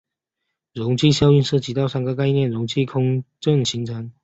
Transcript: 溶剂效应涉及到三个概念溶剂空腔形成。